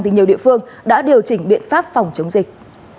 thì nhiều địa phương đã điều chỉnh biện pháp phòng chống dịch